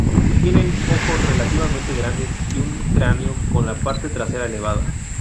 Tienen ojos relativamente grandes y un cráneo con la parte trasera elevada.